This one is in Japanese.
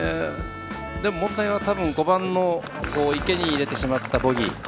でも、問題は５番の池に入れてしまったボギー。